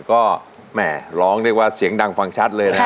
ก็แหม่ร้องเรียกว่าเสียงดังฟังชัดเลยนะครับ